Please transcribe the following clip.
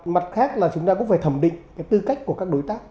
mặt khác là chúng ta cũng phải thẩm định cái tư cách của các đối tác